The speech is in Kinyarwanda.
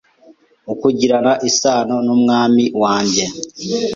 ukugirana isano n’Umwami wanjye.